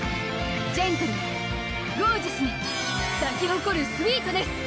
ジェントルにゴージャスに咲き誇るスウィートネス！